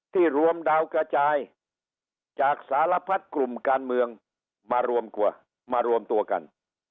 ที่รวมดาวกระจายจากสารพัฒกลุ่มการเมืองมารวมกัน